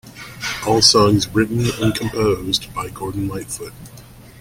All songs written and composed by Gordon Lightfoot.